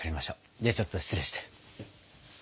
ではちょっと失礼して。